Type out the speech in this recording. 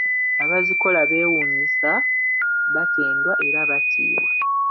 "Abazikola beewuunyisa, batendwa era batiibwa."